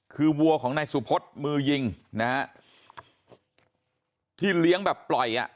คือวัวของนายสุพศมือยิงนะฮะที่เลี้ยงแบบปล่อยอ่ะ